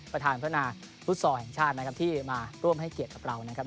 ประธานพัฒนาฟุตซอลแห่งชาตินะครับที่มาร่วมให้เกียรติกับเรานะครับ